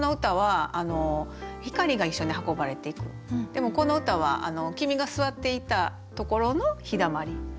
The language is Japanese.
でもこの歌は君が座っていたところの日だまり。